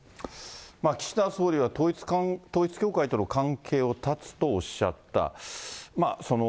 岸田総理は統一教会との関係を断つとおっしゃった。